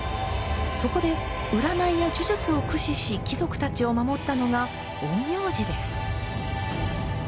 そこで、占いや呪術を駆使し貴族たちを守ったのが陰陽師です。